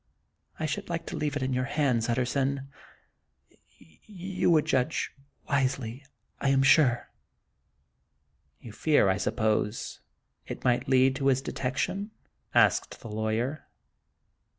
I should like to leave it in your hands, Utterson ; you would judge wisely, I am sure." " You fear, I suppose, it might lead to his detection," asked the lawyer.